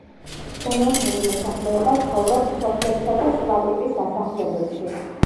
დანარჩენი მოსახლეობა ცხოვრობს სოფლებსა და სხვა ტიპის დასახლებებში.